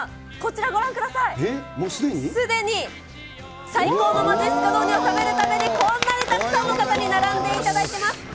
すでに最高のまじっすか雑煮を食べるために、こんなにたくさんの方に並んでいただいています。